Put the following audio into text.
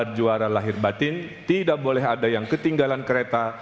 dengan nama jabar juara lahir batin tidak boleh ada yang ketinggalan kereta